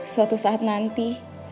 suatu saat nanti